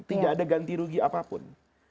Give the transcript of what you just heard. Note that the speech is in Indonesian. tidak ada ganti rugi apapun